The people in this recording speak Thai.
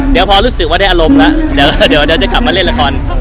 เดี๋ยวพอรู้สึกว่าได้อารมณ์แล้วเดี๋ยวจะกลับมาเล่นละคร